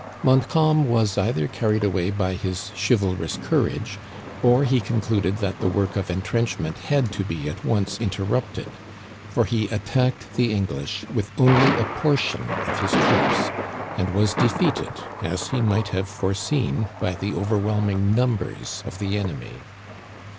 Montcalm was either carried away by his chivalrous courage, or he concluded that the work of entrenchment had to be at once interrupted; for he attacked the English with only a portion of his troops, and was defeated, as he might have foreseen, by the overwhelming numbers of the enemy.